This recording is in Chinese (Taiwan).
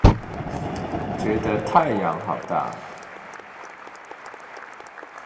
覺得太陽好大